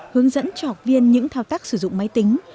hướng dẫn cho học viên những thao tác sử dụng máy tính